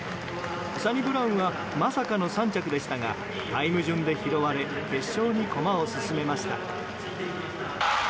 サニブラウンはまさかの３着でしたがタイム順で拾われ決勝に駒を進めました。